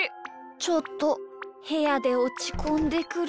ちょっとへやでおちこんでくる。